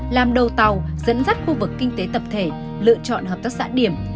làm đầu tàu dẫn dắt khu vực kinh tế tập thể lựa chọn hợp tác xã điểm